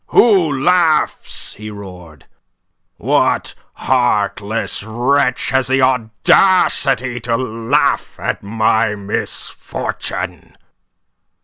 "Who laughs?" he roared. "What heartless wretch has the audacity to laugh at my misfortune?"